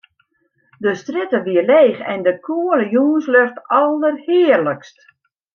De strjitte wie leech en de koele jûnslucht alderhearlikst.